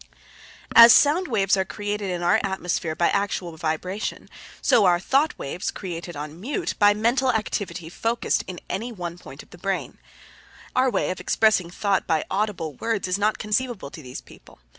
As sound waves are created in our atmosphere by actual vibration, so are thought waves created on Mute by mental activity focused in any one point of the brain. Our way of expressing thought by audible words is not conceivable to these people.